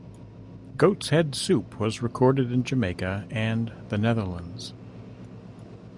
"Goats Head Soup" was recorded in Jamaica and the Netherlands.